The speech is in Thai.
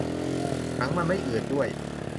หนังมันไม่อืดด้วย